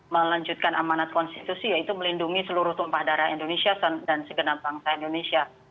melanjutkan amanat konstitusi yaitu melindungi seluruh tumpah darah indonesia dan segenap bangsa indonesia